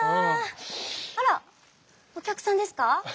あらお客さんですか。